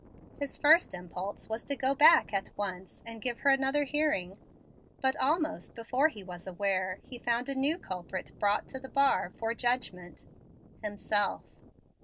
His first impulse was to go back at once and give her another hearing. But, almost before he was aware, he found a new culprit brought to the bar for judgment, himself.